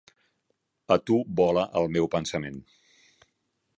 A tu vola el meu pensament.